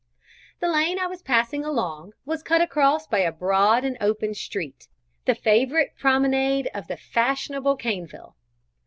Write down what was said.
The lane I was passing along was cut across by a broad and open street, the favourite promenade of the fashionables of Caneville.